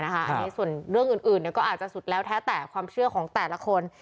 อันนี้ส่วนเรื่องอื่นก็อาจจะสุดแล้วแท้แต่ความเชื่อของแต่ละคน